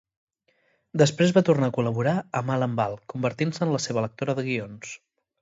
Després va tornar a col·laborar amb Alan Ball, convertint-se en la seva lectora de guions.